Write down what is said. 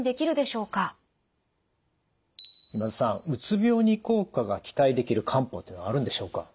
うつ病に効果が期待できる漢方というのはあるんでしょうか？